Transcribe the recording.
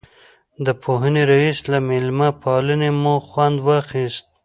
د پوهنې رئیس له مېلمه پالنې مو خوند واخیست.